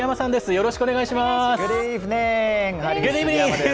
よろしくお願いします。